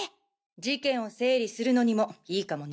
事件を整理するのにもいいかもね。